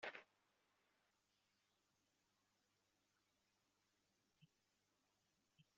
La kent-yetteggez urgaz-a?